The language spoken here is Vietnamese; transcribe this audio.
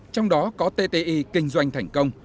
trong đó có tti kinh doanh thành công